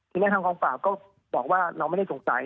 ทีนี้ทางกองปราบก็บอกว่าเราไม่ได้สงสัย